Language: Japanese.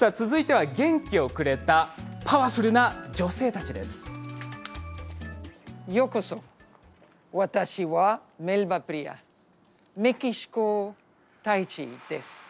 続いては元気をくれたパワフルな女性たちです。